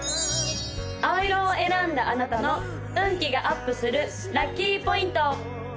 青色を選んだあなたの運気がアップするラッキーポイント！